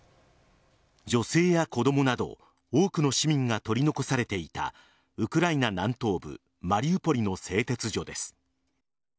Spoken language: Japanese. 女性や子供など多くの市民が取り残されていたウクライナ南東部マリウポリの製鉄所です。